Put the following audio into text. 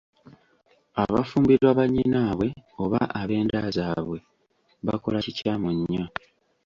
Abafumbirwa bannyinaabwe oba ab’enda zaabwe bakola kikyamu nnyo.